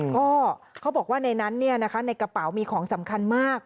ก็เขาบอกว่าในนั้นในกระเป๋ามีของสำคัญมาก